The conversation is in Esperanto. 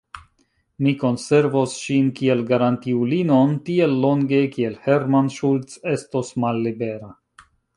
Mi konservos ŝin kiel garantiulinon tiel longe, kiel Hermann Schultz estos mallibera.